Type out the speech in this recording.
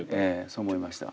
そう思いました。